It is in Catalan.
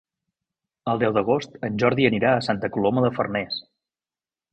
El deu d'agost en Jordi anirà a Santa Coloma de Farners.